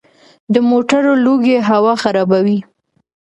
د موټرو لوګی هوا خرابوي.